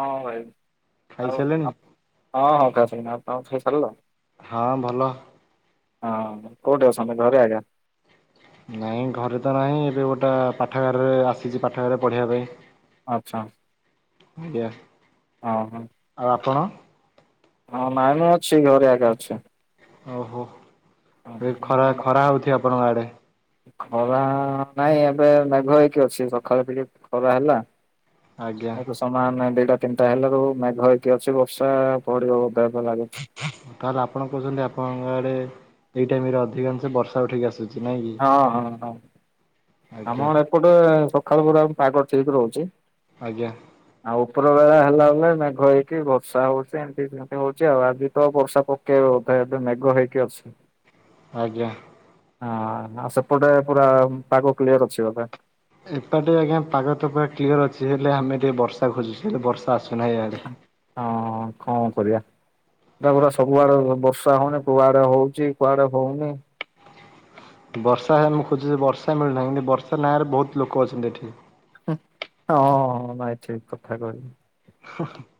ହଁ ଭାଇ ଆଉ ଖାଇସାରିଲେଣି? ହଁ ହଁ କ ସାଙ୍ଗ ଆପଣଙ୍କ ଖାଇ ସାରିଲ? ହଁ ଭଲ। ହଁ କୋଉଠି ଅଚନ୍ତି ଘରେ ଆକା। ନାଇଁ ଘରେ ତ ନାହିଁ ଏବେ ଗୋଟେ ପାଠଘାରରେ ଆସିଛି ପାଠଘାର ପଢ଼ିବା ପାଇଁ। ଆଚ୍ଛା ଆଜ୍ଞା ହଁ ହଁ ଆଉ ଆପଣ? ହଁ ନାଇ ମୁଁ ଅଛି ଘରେ ଆକା ଅଛି। ଓହୋ ଏ ଖରା ଖରା ହେଉଛି ଆପଣଙ୍କ ଆଡ଼େ? ଖରା ନାଇଁ ଏବେ ମେଘୁଆ ହେଇକି ଅଛି ସକାଳେ ଟିକେ ଖରା ହେଲା। ଆଜ୍ଞା ଏବେ ସମାନ ଦିଟା ତିନିଟା ହେଲାରୁ ମେଘ ହେଇକି ଅଛି ବର୍ଷା ପଡିବ ବଧେ ଲାଗୁ ତାହେଲେ ଆପଣ କହୁଛନ୍ତି ଆପଣଙ୍କ ଆଡେ ଏଇ ଟାଇମରେ ଅଧିକାଂଶ ବର୍ଷା ଉଠେଇକି ଆସୁ ହଁ ହଁ ହଁ ଆମ ଆଜ୍ଞା ଏପଟେ ସକାଳୁ ପହରୁ ଆହୁରି ପାଗ ଠିକ ରହୁଛି। ଆଜ୍ଞା। ଆଉ ଉପର ବେଳା ହେଲା ବେଳେ ମେଘ ହେଇକି ବର୍ଷା ହଉଛି ଏମିତି ସେମିତି ହଉଛି ଆଉ ଆଜି ତ ବର୍ଷା ପକେଇବ ବୋଧ ଏବେ ମେଘ ହେଇକି ଅଛି। ଆଜ୍ଞା। ହଁ ସେପଟେ ପୁରା ପାଗ କ୍ଲିୟର ଅଛି ବୋଧେ? ଏପଟେ ଆଜ୍ଞା ପାଗ ତ ପୁରା କ୍ଲିୟର ଅଛି ହେଲେ ଆମେ ଟିକେ ବର୍ଷା ଖୋଜୁଚୁ ହେଲେ ବର୍ଷା ଆ ହଁ କଣ କରିବା? ଏଟା ପରା ସବୁଆଡେ ବ ବର୍ଷା ହଉନି କୁଆଡେ ହଉଛି କୁଆଡେ ହଉନି। ବର୍ଷା ହେଲେ ମୁଁ ଖୋଜୁଛି ବର୍ଷା ମିଳୁନାହିଁ କିନ୍ତୁ ବର୍ଷା ନାଁରେ ବହୁତ ଲୋକ ଅଛନ୍ତି ଏଠି। ହୁଁ ହଁ ଭାଇ ଠିକ କଥା କହିଲ। [unintelligible]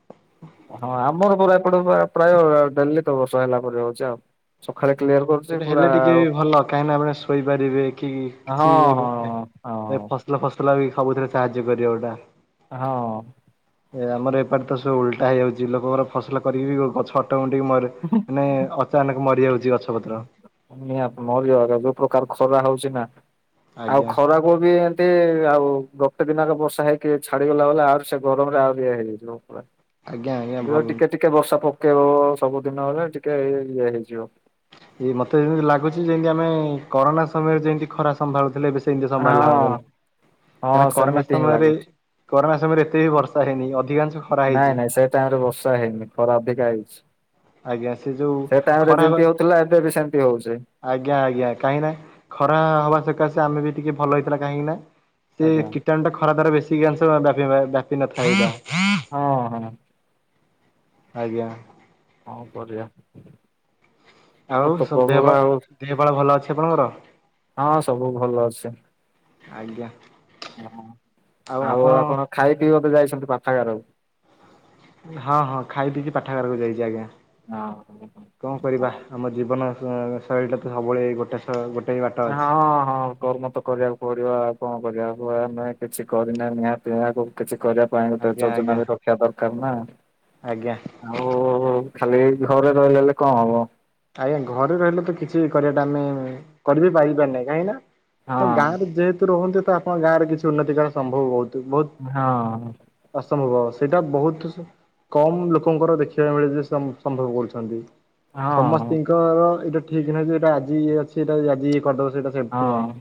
ହଁ ଆମର ପରା ଏପଟେ ପା ପ୍ରାୟ ଡେଲି ତ ବର୍ଷା ହେଲା ପରେ ହଉଛି ଆଉ ସକାଳେ କ୍ଲିୟର କରୁ ସେଟା ହେଲେ ଟିକେ ଭଲ କାହିଁକିନା ଆପଣ ଶୋଇପାରିବେ କି କିଛି ହଁ ଏବେ ଏ ହଁ ଫ ଭଲ ଫସଲ ବି ସବୁଥିରେ ସାହାଯ୍ୟ କରିବା ଗୋଟା। ହଁ। ଏ ଆମର ଏପଟ ତ ସବୁ ଉଲଟା ହେଇଯାଉଛି ଲୋକଙ୍କର ଫସଲ କରିକି ବି ଗଛ ଅଟୋମେଟିକ ମର [inaudible] ନାଇଁ ଅଚାନକ ମରିଯାଉଛି ଗଛ ପତ୍ର। ନିହାତି ମରିଗଲେ ଯୋଉ ପ୍ରକାର ଖରା ହଉଛି ନା ଆଉ ଆଜ୍ଞା ଖରା ମୁଁ ବି ଏମିତି ଆଉ ଗୋଟେ ଦିନର ବର୍ଷା ହେଇକି ଛାଡିଗଲା ହେଲେ ଆହୁରି ସେ ଗରମ ରେ ଆହୁରି ଇଏ ହେଇଯିବ। ଆଜ୍ଞା ଆଜ୍ଞା ଏବେ ଅ ଭଲ। ଟିକେ ଟିକେ ବର୍ଷା ପକେଇବ ସବୁଦିନ ହେଲେ ଟିକେ ଇଏ ହେଇଯିବ। ଏଇ ମତେ ବି ଲାଗୁଛି ଯେମିତି ଆମେ କରୋନା ସମୟରେ ଯେମିତି ଖରା ସମ୍ଭାଳୁଥିଲେ ଏବେ ସେ ସେମିତି ସମ୍ଭାଳିଲା ଭଳିଆ ଲାଗ ହଁ କାହିଁକି ନା ହଁ କରୋନା ସେମିତି ହିଁ ସମୟରେ ଲାଗୁଛି। କରୋନା ସମୟରେ ଏତେ ବି ବର୍ଷା ହେଇନି ଅଧିକାଂଶ ଖରା ନାଇଁ ହେଇଛି ନାଇଁ ସେଇ ଟାଇମ ରେ ବର୍ଷା ହେଇନି ଖରା ଅଧିକା ହେଇଛି। ଆଜ୍ଞା ସେ ଯୋଉ ସେ ଟାଇମରେ ଖରା ଯେମିତି ହଉଥିଲା ଏବେ ବି ସେମିତି ହଉଛି। ଆଜ୍ଞା ଆଜ୍ଞା କାହିଁକି ନା ଖରା ହବା ସକାଶେ ଆମେ ବି ଟିକେ ଭଲ ହେଇଥିଲା କାହିଁକି ନା। ସେ ଆଜ୍ଞା। କୀଟଣୁ ଟା ଖରା ଦ୍ୱାରା ବେଶୀ ଆଂଶ ବ୍ୟାପି ପା ବ୍ୟାପି ନଥାଏ ଏଇଟା ହଁ ହଁ। ଆଜ୍ଞା। କଣ କରିବା ଏ ଆଉ ତ ଦେହ ପା ପ୍ରବଳ ଆଉ ଦେହ ଫାଳ ଭଲ ଅଛି ଆପଣଙ୍କର? ହଁ ସବୁ ଭଲ ଅଛି। ଆଜ୍ଞା। ହଁ ଆଉ ଆପଣ ଖାଇ ପିଇ ବୋଧେ ଯାଇଛନ୍ତି ପାଠାଗାରକୁ? ହଁ ହଁ ଖାଇ ପିଇକି ପାଠାଗାରକୁ ଯାଇଛି ଆଜ୍ଞା। ହଁ। କଣ କରିବା ହଁ। ଆମ ଜୀବନ ଅଁ ଶୈଳୀଟା ତ ସବୁବେଳେ ଗୋଟେ ପ ଗୋଟେ ହି ବାଟ ଅଛି। ହଁ ହଁ କର୍ମ ତ କରିବାକୁ ପଡିବ ଆଉ କଣ କରିବା କହିବାର ନାଇ କିଛି କରିନା ନିହାତି ନିଆ କିଛି କରିବା ପାଇଁ ଗୋଟେ ଆଜ୍ଞା ଆଜ୍ଞା ଯୋଜନା ବି ରଖିବା ଦରକାର ନା। ଆଜ୍ଞା। ଆଉ ଖାଲି ଘରେ ରହିଲେ ହେଲେ କଣ ହବ? ଆଜ୍ଞା ଘରେ ରହିଲେ ତ କିଛି କରିବାଟା ଆମେ କରିବି ପାରିବା ନାଇଁ କାହିଁକି ନା ଆପଣ ହଁ ଗାଁ ରେ ଯେହେତୁ ରୁହନ୍ତି ତ ଆପଣ ଗାଁରେ କିଛି ଉନ୍ନତିକରଣ ସମ୍ଭବ ବହୁତୁ ବ ହଁ। ଅସମ୍ଭବ ସେଇଟା ବହୁତୁ କମ୍ ଲୋକଙ୍କର ଦେଖିବାକୁ ମିଳେ ଯେ ସମ୍ଭବ କରୁଛନ୍ତି। ହଁ ସମସ୍ତତିଙ୍କର ଏଇଟା ଠିକ ନାହିଁ ଯେ ଏଇଟା ଆଜି ଇଏ ଅଛି ଏଇଟା ଆଜି ଇଏ କରିଦେବ ସେଇଟା ହଁ ସେମିତି ନାହିଁ।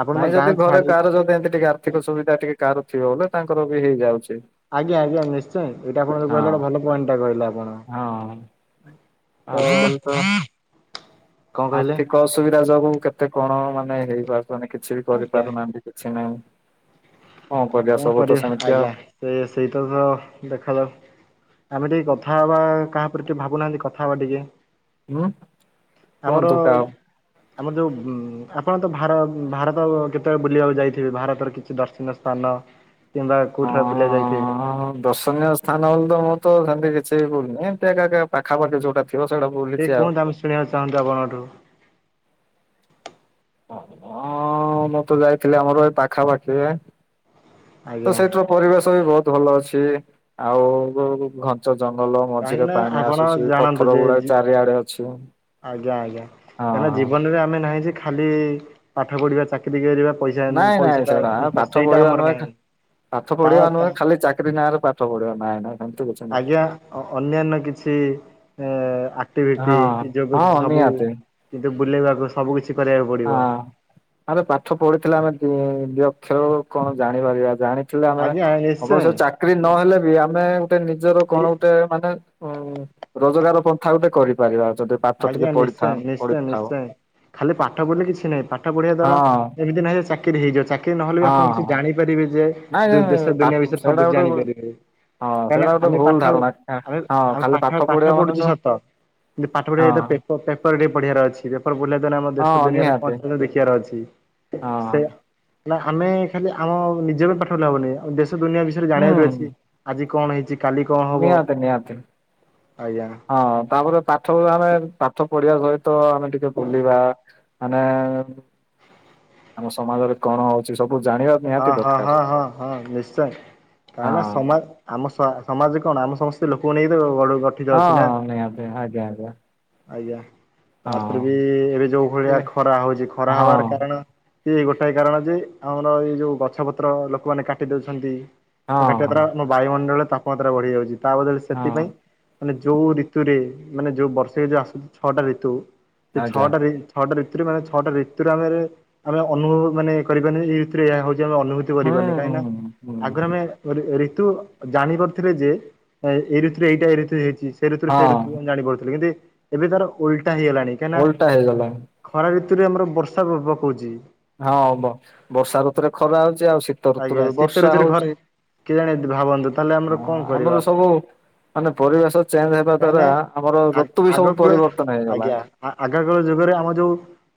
ଆପଣ ତ ନାଇଁ ଗାଁ ଯଦି ଘରେ ଛାଡି କାହାର ଯଦି ଏମିତି ଟିକେ ଆର୍ଥିକ ସୁବିଧା ଟିକେ କାହାର ଥିବ ବ ତାଙ୍କର ବି ହେଇଯାଉଛି। ଆଜ୍ଞା ଆଜ୍ଞା ନିଶ୍ଚୟ ଏଟା ଆପଣ ଯୋଉ ହଁ କହିଲେ ଗୋଟ ଭଲ ପଏଣ୍ଟ ଟା କହିଲେ ଆପଣ। ତ ଆଜି କାଲି ତ କଣ କହିଲେ ଆର୍ଥିକ ଅସୁବିଧା ଯୋଗୁ କେତେ କଣ ମାନେ ହେଇପାରୁଛନ୍ତି କିଛି ବି ଆଜ୍ଞା କରିପାରୁନାହାନ୍ତି। କିଛି ନାହିଁ କଣ କରିବା ସବୁ ତ ସେମିତି ଆଉ ସେ ସେଇଟା ସହ ଦେଖାଯାଉ ଆମେ ଟିକେ କଥା ହବା କାହା ଉପରେ ଟିକେ ଭାବୁନାହାନ୍ତି କଥା ହବା ଟିକେ ହୁଁ ଆମର କୁହନ୍ତୁ କା ଆମର ଯେଉଁ ଆପଣ ତ ଭାର ଭାରତ କେତେବେଳେ ବୁଲିବାକୁ ଯାଇଥିବେ ଭାରତର କିଛି ଦର୍ଶନୀୟ ସ୍ଥାନ କିମ୍ବା କୋଉଠାରୁ ବୁଲିବାକୁ ଯାଇଥିବେ? ହଁ ଦର୍ଶନୀୟ ସ୍ଥାନ ହେଲେ ତ ମୁଁ ତ ସେମିତି କିଛି ବି ବୁଲନି ଏମିତି ଏକା ପାଖାପାଖି ଯୋଉଟା [unintelligible] ସେ କୁହନ୍ତୁ ଆମେ ଶୁଣିବାକୁ ଚାହୁଁଛୁ ଆପଣଙ୍କଠୁ ହଁ ମୁଁ ତ ଯାଇଥିଲି ଆମର ଏ ପାଖାପାଖି ତ ଆଜ୍ଞା। ସେଇଠର ପରିବେଶ ବି ବହୁତ ଭଲ ଅଛି ଆଉ ପାଞ୍ଚ ଜଙ୍ଗଲ କାହିଁକି ମଝିରେ ନା ପାଣି ଆପଣ ଆସୁଛି ଜାଣନ୍ତୁ ପଥର ଯେ ଗୁଡାକ ଜି ଚାରିଆଡେ ଅଛି। ଆଜ୍ଞା ଆଜ୍ଞା ହଁ କାହିଁକିନା ହଁ ଜୀବନରେ ଆମେ ନାହିଁ ଯେ ଖାଲି ପାଠ ପଢିବା ଚାକିରି କିି କରିବା ପଇସା ନାଇଁ ନାଇଁ ସେଇଟା ପଇସାଟା ପାଠ ସେଇଟା ପଢିବା ଆମର ନୁହେଁ ନାହିଁ। ପାଠ ତା ପଢିବା ତା ନୁହେଁ ଖାଲି ଚାକିରି ନାଁ ରେ ପାଠ ପଢିବା ନାଇଁ ନାଇଁ ସେମିତି କିଛି ନାହିଁ ଆଜ୍ଞା ଅନ୍ୟାନ୍ୟ କିଛି ହଁ ଟି ଯୋଗ ହଁ କିଛି ସବୁ ନିହାତି କିନ୍ତୁ ବୁଲେଇବାକୁ ସବୁ କିଛି କରିବାକୁ ପଡିବ। ହଁ। ଆମେ ପାଠ ପଢିଥିଲା ଆମେ ଅକ୍ଷର କଣ ଜାଣିପାରିବା ଜାଣି ଥିଲେ ଆମେ ଆଜ୍ଞା ନିଶ୍ଚୟ ଅବଶ୍ୟ ଚାକିରି ନହେଲେ ବି ଆମେ ଗୋଟେ ନିଜର ଏଇ କଣ ଗୋଟେ ମାନେ ଉଁ ରୋଜଗାର ପନ୍ଥା ଗୋଟେ କରିପାରିବା ଯଦି ପାଠ ଟିକେ ଆଜ୍ଞା ନିଶ୍ଚୟ ପଢିଥା ନିଶ୍ଚୟ ପଢିଥାଉ ନିଶ୍ଚୟ ଖାଲି ପାଠ ପଢିଲେ କିଛି ନାହିଁ ପାଠ ପଢିବା ହଁ ଦ୍ଵାରା ହଁ ଏମିତି ନାହିଁ ଚା ଚାକିରି ହେଇଯାଉ ଚାକିରି ନହଲେ ବି ଆପଣ କିଛି ହଁ ଜାଣିପାରିବେ ଯେ ନାଇଁ ନାଇଁ ଦେଶ ଦୁନିଆ ବିଷୟରେ ସେଇଟା ସବୁକିଛି ଗୋଟେ ହଁ ଜାଣିପାରିବେ। କାହିଁକି ନା ସେଇଟା ଗୋଟେ ଆମେ ଭୁଲ ପାଠ ଧାରଣା ଆମେ ହଁ ଆମେ ଖାଲି ପାଠ ପଢିବା ପାଠ ମାନେ ପଢୁଛୁ ନୁହଁ ସତ କିନ୍ତୁ ପାଠ ପଢି ହଁ ପେପ ପେପର ଟିକେ ପଢ଼ିବାର ଅଛି ପେପର ପଢ଼ିଲା ଦ୍ୱାରା ଆମ ଦେଶ ହଁ ଦୁନିଆରେ ନିହାତି କଣ ଦେଖିବାର ଅଛି। ହଁ। ସେ ନା ଆମେ ଖାଲି ଆମ ନିଜ ବି ପାଠ ପଢ଼ିଲେ ହବନି ଦେଶ ଦୁନିଆ ବିଷୟରେ ହୁଁ ଜାଣିବାର ଅଛି। ଆଜି କଣ ହେଇଛି କାଲି କଣ ହବ ନିହାତି ନିହାତି ଆଜ୍ଞା ହଁ ତାପରେ ପାଠ ଆମେ ପାଠ ପଢିବା ସହିତ ଆମେ ଟିକେ ବୁଲିବା ମାନେ ଆମ ସମାଜରେ କଣ ହଉଛି ସବୁ ଜାଣିବା ହଁ ନିହାତି ହଁ ଦରକାର। ହଁ ହଁ ହଁ ନିଶ୍ଚୟ କାହିଁକି ନା ହଁ ସମାଜ ଆମ ସମାଜ କଣ ଆମ ସମସ୍ତେ ଲୋକଙ୍କୁ ନେଇ ତ ଗଠିତ ହଁ ଅଛି ନା। ନିହାତି ଆଜ୍ଞା ଆଜ୍ଞା ଆଜ୍ଞା ତାପରେ ହଁ ବି ଏବେ ଯୋଉ ଭଳିଆ ହଁ। ଖରା ହଉଛି ଖରା ହଁ ହବାର କାରଣ ଏ ଗୋଟାଏ କାରଣ ଯେ ଆମର ଏଇ ଯୋଉ ଗଛ ପତ୍ର ଲୋକମାନେ କାଟି ଦଉଛନ୍ତି କାଟିବା ହଁ ଦ୍ଵାରା ଆମ ବାୟୁମଣ୍ଡଳରେ ତାପମାତ୍ରା ବଢି ଯାଉଛି ତା ବଦଳରେ ହଁ ସେଥିପାଇଁ ମାନେ ଯୋଉ ଋତୁରେ ମାନେ ଯୋଉ ବର୍ଷ ଯୋଉ ଆସୁଛି ଛଅଟା ଋତୁ ସେ ଆଜ୍ଞା ଛଅଟା ଛଅଟା ଋୁରେ ମାନେ ଛଅଟା ଋୁରେ ଆମେ ଆମେ ଅନୁଭବ ମାନେ କରିବାନି ଏଇ ଋତୁରେ ଏହା ହଉଛି ଆମେ ଅନୁଭୂ ହୁଁ କରିବନି କାହିଁକି ନା ହୁଁ ଆଗରୁ ହୁଁ। ଆମେ ଋତୁ ଜାଣି ପାରୁଥିଲେ ଯେ ଏଇ ଋତୁରେ ଏଇଟା ଏଇ ଋତୁ ହେଇଛି ସେଇ ଋତୁରେ ସେ ହଁ ଋତୁ ଜାଣି ପାରୁୁଥିଲେ କିନ୍ତୁ ଏବେ ତାର ଓଲଟା ହେଇଗଲାଣି। କାହିଁକିନା ଓଲଟା ହେଇଗଲା ଖରା ଋତୁରେ ଆମର ବର୍ଷା ପକଉଛି। ହଁ ବ ବର୍ଷା ଋତୁରେ ଖରା ହଉଛି ଆଉ ଶୀତ ଆଜ୍ଞା ଋତୁରେ ଶୀତ ବର୍ଷା ଋତୁରେ ଖରା ହଉଛି। କେଜାଣି ଭାବନ୍ତୁ ତାହେଲେ ଆମର ହଁ କଣ ଆମର କରିବା। ସବୁ ମାନେ ପରିବେଶ ଚେଞ୍ଜ ହେବା କାହିଁକି ନା ଦ୍ଵାରା ଆମର ଋତୁ ବି ସବୁ ଆଗକୁଳ ପରିବର୍ତ୍ତନ ହେଇଗଲା। ଆଜ୍ଞା ଆ ଆଗକାଳ ଯୁଗରେ ଆମ ଯୋଉ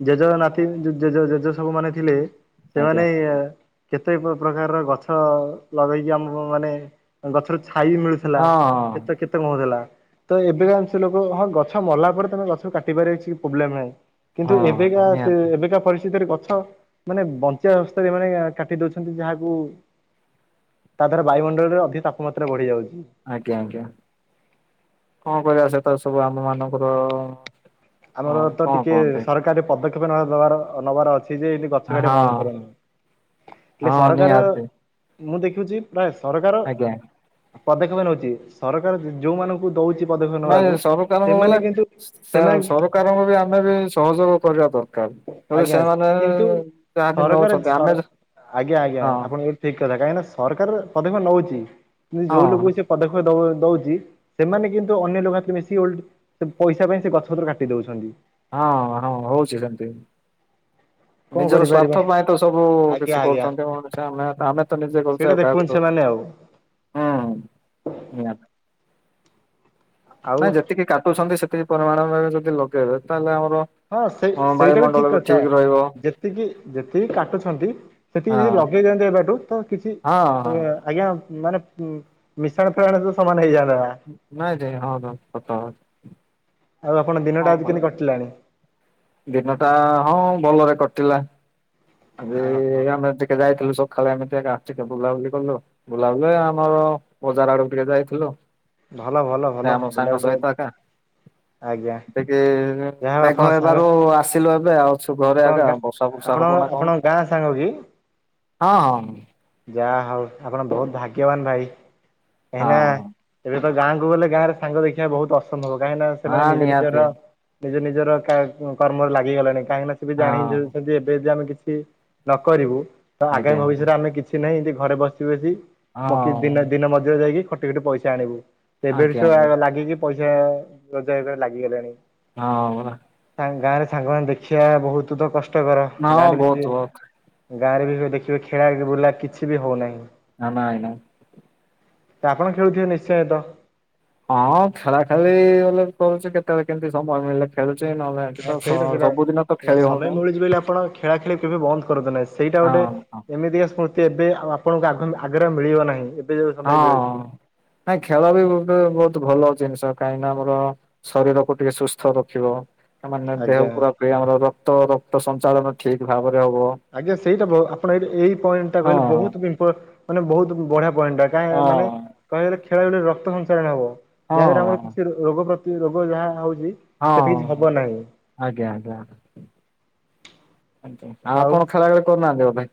ଜେଜେ ନାତି ଯୋଉ ଜେଜେ ଜେଜେ ସବୁ ମାନେ ଥିଲେ। ଆଜ୍ଞା ସେମାନେଇ କେତେ ପ୍ରକାରର ଗଛ ଲଗେଇଚି ଆମ ମାନେ ଗଛରୁ ଛାଇ ମିଳୁ ଥିଲା ହଁ କେତେ କେତେ ମୋହ ଦେଲା। ଏବେଙ୍କାଶ ଲୋକ ହଁ ଗଛ ମଲା ପରେ ତମେ ଗଛକୁ କାଟିବାର କିଛି ପ୍ରୋବ୍ଲେମ ନାହିଁ। ହଁ କିନ୍ତୁ ହଁ ଏବେକା ସେ ନିହାତି ଏବେକା ପରିସ୍ଥିତିରେ ଗଛ ମାନେ ବଞ୍ଚିବା ଅବସ୍ଥାରେ ମାନେ କାଟି ଦଉଛନ୍ତି ଯାହାକୁ ତା ଦ୍ଵାରା ବାୟୁମଣ୍ଡଳରେ ଅଧିକ ତାପମାତ୍ରା ବଢି ଯାଉଛି। ଆଜ୍ଞା ଆଜ୍ଞା କଣ କରିବା ସେତ ସବୁ ଆମ ମାନଙ୍କର ହଁ ଆମର ତ କଣ ଟିକେ କୁହନ୍ତି ସରକାରୀ ପଦକ୍ଷେପ ନେବାର ନେବାର ଅଛି ଯେ ଗଛ କାଟିବା ବନ୍ଦ ହଁ କରନ ହେଲେ ହଁ ସରକାର ନିହାତି ମୁଁ ଦେଖୁଛି ପ୍ରାୟ ସରକାର ଆଜ୍ଞା ପଦକ୍ଷେପ ନେଉଛି ସରକାର ଯୋଉମାନଙ୍କୁ ଦଉଛି ପଦକ୍ଷେପ ନେବାକୁ ନାଇଁ ସରକାରଙ୍କୁ ସେମାନେ ବୋଲେ କିନ୍ତୁ ସେମାନେ ସରକାରଙ୍କୁ ବି ଆମେ ବି ସହଯୋଗ କରିବା ଦରକାର। ଯି ଆଜ୍ଞା ସେମାନେ କିନ୍ତୁ ଯାହା ବି ସରକାର ନଉଛନ୍ତି ସର ଆମେ ଆଜ୍ଞା ଆଜ୍ଞା ହଁ ଆପଣ ଏଠି ଠିକ କଥା କାହିଁକି ନା ସରକାର ପଦକ୍ଷେପ ନେଉଛି କିନ୍ତୁ ହଁ ଯୋଉ ଲୋକ ସେ ପଦକ୍ଷେପ ଦେବ ଦଉଛି। ସେମାନେ କିନ୍ତୁ ଅନ୍ୟ ଲୋକ ସାଥିରେ ମିଶି ଓଲ ପଇସା ପାଇଁ ସେ ଗଛପତ୍ର କାଟି ଦଉଛନ୍ତି। ହଁ ହଁ ହଉଛି ସେମିତି। କଣ ନିଜର କରିପାରିବା ସ୍ୱାର୍ଥ ପାଇଁ ତ ସବୁ ଆଜ୍ଞା କିଛି ଆଜ୍ଞା। କରୁଛନ୍ତି ଆମେ ଆମେ ତ ନିଜେ କରୁଛେ ସେଇଟା ଆଉ କାହାକୁ ଦର [unintelligible] ହୁଁ ଆଉ ନାଇଁ ଯେତିକି କାଟୁଛନ୍ତି ସେତିକି ପରିମାଣ ଯଦି ଲଗେଇବେ ତାହେଲେ ଆମର ହଁ ସେଇ ସେଇଟା ବି ଠିକ କଥା ଯେତିକି ଯେତିକି କାଟୁଛନ୍ତି ସେତିକି ହଁ ଯଦି ଲଗେଇ ଦାଆନ୍ତେ ଏବେଠୁ ତ କିଛି ହଁ ହଁ ଆଜ୍ଞା ମାନେ ଉ ମିଶାଣ ଫେଡ଼ାଣ ତ ସମାନ ହେଇଯାଆନ୍ତା। ନାଇଁ ଯାଇ ହଁ ସତ କଥା। ଆଉ ଆପଣ ଦିନଟା ହଁ ଆଜି କେମିତି କଟିଲାଣି? ଦିନ ଟା ହଁ ଭଲରେ କଟିଲା। ଆଜି ଓହୋ ଆମେ ଟିକେ ଯାଇଥିଲୁ ସକାଳେ ଏମିତି ଆକା ଟିକେ ବୁଲାବୁଲି କଲୁ। ବୁଲାବୁଲି ଆମର ବଜାର ଆଡକୁ ଟିକେ ଯାଇଥିଲୁ। ଭଲ ଭଲ ସେ ଭଲ ଆମ ସାଙ୍ଗ ବୁଲାବୁଲି ସହିତ ଆକା। ଆଜ୍ଞା ଟିକେ ଯାହା ହଉ ଆପଣ ମେଘ ସାଙ୍ଗ ହେବାରୁ ଆସ ଏବେ ଅଛୁ ଘରେ କଣ ଆକା ଗା ବର୍ଷା ଫର୍ଷା ଆପଣ ହବ ନା କଣ? ଆପଣଙ୍କ ଗାଁ ସାଙ୍ଗ କି? ହଁ ହଁ ଯାହା ହଉ ଆପଣ ବହୁତ ଭାଗ୍ୟବାନ ଭାଇ କାହିଁକି ନା ହଁ ଏବେ ତ ଗାଁକୁ ଗଲେ ଗାଁରେ ସାଙ୍ଗ ଦେଖିବା ବହୁତ ଅସମ୍ଭବ କାହିଁକିନା ସେମାନେ ହଁ ନିଜ ନିଜର ନିହାତି ନିଜ ନିଜର କା କର୍ମରେ ଲାଗିଗଲାଣି କାହିଁକିନା ସେ ବି ଜାଣିି ହଁ ଏବେ ଯଦି ଆମେ କିଛି ନ କରିବୁ ତ ଆଜ୍ଞା ଆଗାମୀ ଆଜ୍ଞା। ଭବିଷ୍ୟରେ ଆମେ କିଛି କିଛି ନାହିଁ ଘରେ ବସି ବସି ମକ ହଁ ଦ ଦିନ ମଜରିଆ ଯାଇକି ଖଟି ଖଟି ପଇସା ଆଣିବୁ। ଆଜ୍ଞା ଆଜ୍ଞା ଏବେ ଲାଗିକି ପଇସା ରୋଜଗାର ଲାଗିଗଲାଣି। ହଁ ପରା। ଗାଁ ରେ ସାଙ୍ଗମାନେ ଦେଖିବା ବହୁତ ତ କଷ୍ଟକର ପରା ଗାଁ ହଁ ରେ ବହୁତ ବି ବହୁତ ଗାଁରେ ବି ଦେଖିବେ ଖେଳା ବୁଲା କିଛି ବି ହଉନାହିଁ। ଅ ନାଇ ନାଇ। ତ ଆପଣ ଖେଳୁଥିବେ ନିଶ୍ଚୟ ତ। ହଁ ଖେଳା ଖେଳି ବଲେ କରୁଛି କେତେବେଳେ କେମିତି ସମୟ ମିଳିଲେ ଖେଳୁଛି ନହ ହଁ ସ ସେଇଟା ସେଇଟା ସବୁଦିନ ଆଜ୍ଞା ସମୟ ମିଳୁଛି ବୋଲି ଆପଣ ଖେଳା ଖେଳି କେବେ ବନ୍ଦ କରନ୍ତୁ ନାହିଁ, ସେଇଟା ଗୋଟେ ହଁ ହଁ ଏମିତି ସ୍ମୃ ଏବେ ଆପଣଙ୍କୁ ଆଘ ଆଗରେ ମିଳିବ ନାହିଁ। ଯୋଉ ହଁ ସମୟ ମିଳୁଛି। ନାଇଁ ଖେଳ ବି ଗୋଟେ ବହୁତ ଭଲ ଜିନିଷ କାହିଁକିନା ଆମର ଶରୀରକୁ ଟିକେ ସୁସ୍ଥ ରଖିବ। ମାନେ ଆଜ୍ଞା ଦେହକୁ ପୁରା ପ ଆମର ରକ୍ତ ରକ୍ତ ସଞ୍ଚାଳନ ଠିକ ଭାବରେ ହବ। ଆଜ୍ଞା ସେଇଟା ଆପଣ ଏଇଠି ଏଇ ପଏଣ୍ଟ ଟା ହଁ କହିଲେ ହଁ ବହୁତ [inaudible] ମାନେ ବହୁତ ବଢିଆ ପଏଣ୍ଟ ଟା। ନାଇଁ ହଁ ମାନେ କହିବାଗଲେ ଖେଳରେ ରକ୍ତ ସଂଞ୍ଚାଲଣ ହବ ହଁ ଯାହାଦ୍ୱାରା ଆମର କିଛି ରୋ ରୋଗ ପ୍ରତି ରୋଗ ଯାହା ହଉଚି। ହଁ ଆଜ୍ଞା ଆଜ୍ଞା। ଆଉ ଆଉ ଆପଣ ଖେଳା ଖେଳି କରୁନାହାନ୍ତି ବୋଧେ।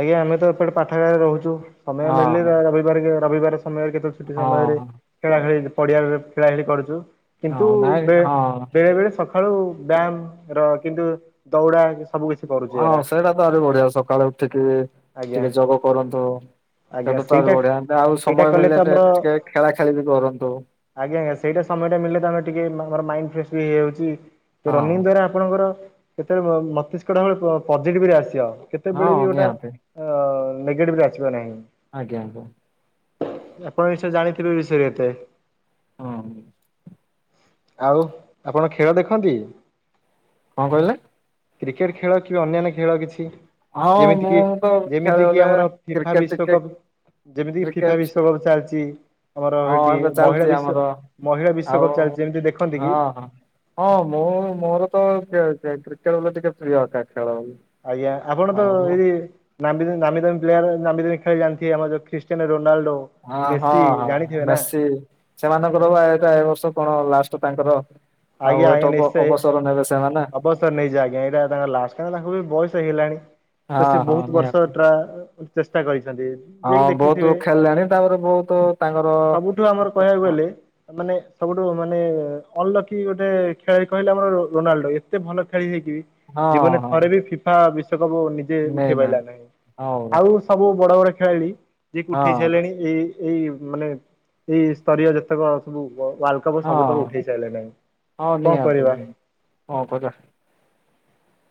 ଆଜ୍ଞା ଆମେ ତ ଏପଟେ ପାଠ ଗାରା ରହୁଚୁ ସମୟ ମିଳିଲେ ହଁ ରବିବାର ରବିବାର ସମୟ କେତେ ଛୁଟି ହଁ ସମୟରେ ହଁ ଖେଳା ଖେଳି ପଡିଆରେ ଖେଳା ଖେଳି କରୁଚୁ। କିନ୍ତୁ ହଁ ନାଇଁ ବେ ହଁ ବେଳେ ବେଳେ ସକା ସକାଳୁ ବ୍ୟାୟାମ ର କିନ୍ତୁ ଦୌଡା ସବୁ କିଛି କରୁଛି ହଁ ଏରା ସେଇଟା ତ ଆହୁରି ବଢିଆ ସକାଳୁ ଉଠିକି ଆଜ୍ଞା ଟିକେ ଯୋଗ କରନ୍ତୁ। ଆଜ୍ଞା ସେଟା ତ ଆହୁରି ସେଇଟା ବଢିଆ ଆଉ ସେଇଟା ସମୟ କଲେ ତ ମିଳିଲେ ଆମର ଟିକେ ଖେଳା ଖେଳି ବି କରନ୍ତୁ। ଆଜ୍ଞା ଆଜ୍ଞା ସେଟା ସମୟଟା ମିଳିଲେ ତମେ ଟିକେ ଆମର ମାଇଣ୍ଡ ଫ୍ରେସ ବି ହେଇଯାଉଛି ହଁ ରନିଂ ଦ୍ଵାରା ଆପଣଙ୍କର କେତେବେଳେ ମସ୍ତିଷ୍କ [inaudible] ପଜିଟିଭ ରେ ଆସିବ ହଁ କେତେବେଳେ ବି ଗୋଟା ନିହାତି। ତ ନେଗେଟିଭ ରେ ଆସିବ ନାହିଁ। ଆଜ୍ଞା ଆଜ୍ଞା। ଆପଣ ନିଞ୍ଚୟ ଜାଣିଥିବେ ଏ ବିଷୟରେ କେତେ। ହଁ। ଆଉ ଆପଣ ଖେଳ ଦେଖନ୍ତି? କଣ କହିଲେ? କ୍ରିକେଟ ଖେଳ କି ଅନ୍ୟାନ୍ୟ ଖେଳ କିଛି। ହଁ ମୁଁ ତ ଖେଳେ ଯେମିତିକି ବେଳେ ଆମର ଫିଫା କ୍ରିକେଟ ଟିକେ ବିଶ୍ଵକପ ଯେମିତିକି ଫିଫା କ୍ରିକେଟ ବିଶ୍ଵକପ୍ ଚାଲିଚି। ଆମର ହଁ ହେଟି ଏବେ ଚାଲିଛି ମହିଳା ଆମର ବିଶ୍ଵ ମହିଳା ଆଉ ବିଶ୍ଵକପ ଚାଲିଛି ଯେମିତି ଦେଖନ୍ତି ହଁ କି? ହଁ ହଁ ମୁଁ ମୋର ତ ଖେ ଖେଳ ପ୍ରତି ଟିକେ ପ୍ରିୟ ଖେଳ ଖେଳ। ଆଜ୍ଞା ଆପଣ ତ ଆଉ ମୁଁ ଏଇ। ନାମି ଦାମୀ ପ୍ଲେୟାର ନାମୀ ଦାମୀ ଖେଳାଳି ଆମର ଯୋଉ ଖ୍ରୀଷ୍ଟିୟନୋ ରୋନାଲଡୋ। ଅ ହଁ ହଁ ମେସି ସେମାନଙ୍କର ବା ଏଟା ଏ ବର୍ଷ କଣ ଲାଷ୍ଟ ତାଙ୍କର ଆଉ ଏଠୁ ଅ ଅବସର ନେବେ ସେମାନେ। ବସର ନେଇଯିବେ ଆଜ୍ଞା ଏଇଟା ତାଙ୍କ ଲାଷ୍ଟ ବା ତାଙ୍କୁ ବି ବୟସ ହେଇଗଲାଣି। ତ ହଁ ସେ ହଁ ବହୁତ ବର୍ଷ ନିହାତି ଟ୍ରା ଚେଷ୍ଟା କରିଛନ୍ତି। ହଁ ଯିଏକି ବହୁତୁ ଦେଖିଥିବେ ଖେଳିଲାଣି ତାପରେ ବହୁତ ତାଙ୍କର ଅ ସବୁଠୁ ଆମର କହିବାକୁ ୱା ଗଲେ ମାନେ ସବୁଠୁ ମାନେ ଅଲକ୍ କି ଗୋଟେ ଖେଳାଳି କହିଲେ ଆମର ରୋନାଲଡୋ ଏତେ ଭଲ ଖେଳି ହେଇକି ବି ହଁ ଜୀବନ ହଁ ଥରେ ବି ଫି ଫା ବିଶ୍ଵକପ ନିଜେ ନେଇ ଉଠେଇ ପାରିଲା ନାହାନ୍ତି ନାହିଁ ହଁ ପରା ଆଉ ସବୁ ବଡ ବଡ ଖେଳାଳି ଯିଏକି ଉଠେଇ ହଁ ସାଇଲେଣି। ଏଇ ଏଇ ମାନେ ଏଇ ସ୍ତରୀୟ ଯେତେକ ସବୁ ୱାଲ୍ ସବୁ ସବୁ ତକ ହଁ ଉଠେଇ ସାଇଲେଣି। ହଁ ନିହାତି ନି ହଁ କଁ କରିବା।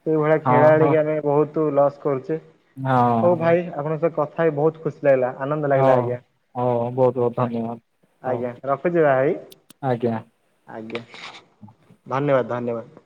ସେଇଭଳିଆ ହଁ ହଁ ଖେଳାଳିକୁ ଆମେ ବହୁତ ଲସ୍ କରୁଚେ ହଁ ହଉ ଭାଇ ଆପଣଙ୍କ ସହିତ କ କଥା ହେଇକି ବହୁତ ଖୁସି ଲାଗିଲ ଆନନ୍ଦ ଲାଗଲା ହଉ ଆଜ୍ଞା। ହଉ ବହୁତ ବହୁତ ଧନ୍ୟବାଦ ହଉ ଆଜ୍ଞା ରଖୁଚି ଭାଇ। ଆଜ୍ଞା। ଆଜ୍ଞା ଧନ୍ୟବାଦ ଧନ୍ୟବାଦ।